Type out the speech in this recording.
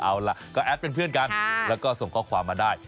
เอาล่ะก็แอดเป็นเพื่อนกันแล้วก็ส่งข้อความมาได้